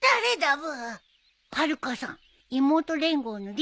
ブ。